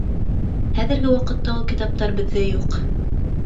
Хәҙерге ваҡытта ул китаптар беҙҙә юҡ